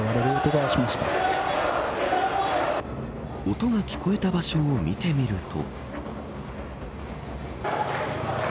音が聞こえた場所を見てみると。